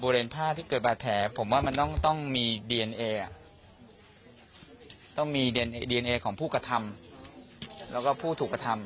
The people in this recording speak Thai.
แล้วก็ผู้ถูกกระทำ